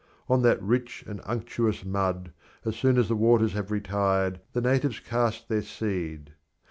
On that rich and unctuous mud, as soon as the waters have retired, the natives cast their seed.